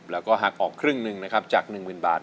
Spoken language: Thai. แล้วก็หักออกครึ่งหนึ่งนะครับจาก๑๐๐๐บาท